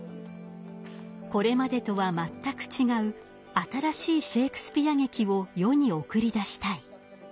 これまでとは全く違う新しいシェイクスピア劇を世に送り出したい。